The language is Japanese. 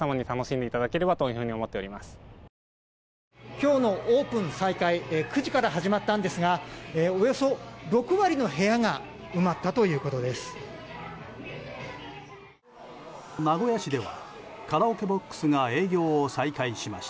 今日のオープン再開９時から始まったんですがおよそ６割の部屋が埋まったということです。